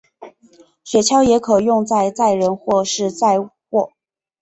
雪橇也可用在载人或是载货。